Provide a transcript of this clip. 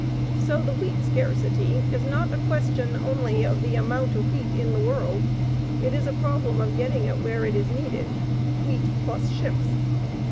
SO THE WHEAT SCARCITY IS NOT A QUESTION ONLY OF THE AMOUNT OF WHEAT IN THE WORLD. IT IS A PROBLEM OF GETTING IT WHERE IT IS NEEDED WHEAT PLUS SHIPS.